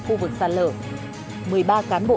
khu vực sạt lở một mươi ba cán bộ